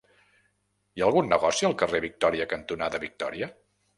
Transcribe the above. Hi ha algun negoci al carrer Victòria cantonada Victòria?